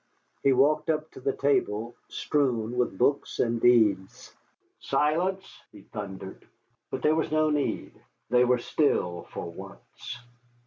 He walked up to the table, strewn with books and deeds. "Silence!" he thundered. But there was no need, they were still for once.